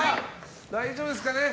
大丈夫ですかね。